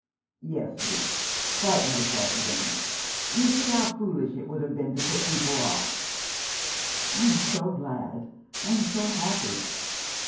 "Yes, dear, quite myself again. You see how foolish it would have been to put people off." " I am so glad — I am so happy."